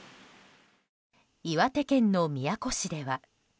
岩手県の宮古市では。